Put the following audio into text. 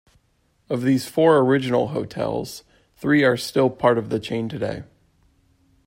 Of these four original hotels, three are still part of the chain today.